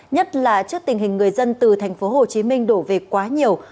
nhất là trước tình hình người dân từ thành phố hồ chí minh đổ về quá nhiều